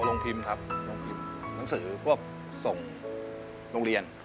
ทำเกี่ยวกับโรงพิมพ์ครับลงสือพวกส่งโรงเรียน